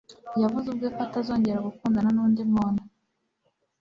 Yavuze ubwe ko atazongera gukundana n'undi muntu